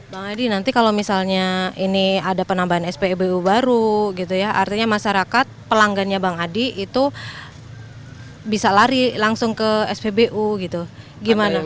bang adi nanti kalau misalnya ini ada penambahan spbu baru gitu ya artinya masyarakat pelanggannya bang adi itu bisa lari langsung ke spbu gitu gimana